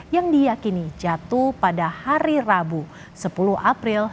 yang diyakini jatuh pada hari rabu sepuluh april dua ribu dua puluh empat